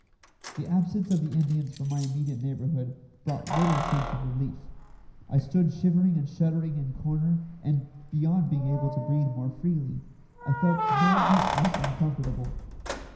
The absence of the Indians from my immediate neighbourhood brought little sense of relief. I stood shivering and shuddering in my corner, and, beyond being able to breathe more freely, I felt no whit less uncomfortable.